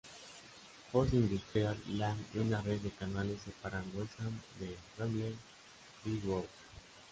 Post-industrial land y una red de canales separan West Ham de Bromley-by-Bow.